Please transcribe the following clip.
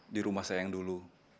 di rumah saya yang dulu